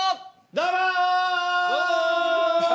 どうも！